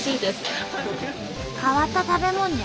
変わった食べ物じゃ。